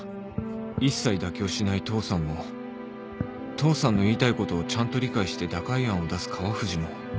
一切妥協しない父さんも父さんの言いたいことをちゃんと理解して打開案を出す川藤も